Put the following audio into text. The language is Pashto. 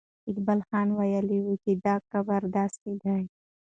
اقبال خان ویلي وو چې دا قبر داسې دی.